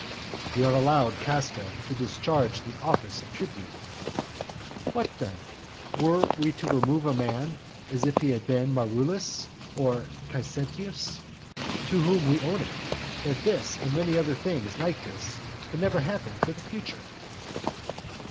"You have allowed Casca to discharge the office of tribune". What then? Were we to remove a man, as if he had been Marullus, or Caesetius, to whom we own it, that this and many other things like this can never happen for the future?